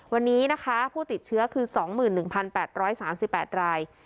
วันนี้นะคะผู้ติดเชื้อคือ๒๑๘๓๘ราย